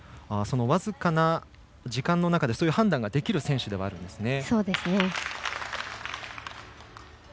僅かな時間の中で判断ができる選手ではあるんですね。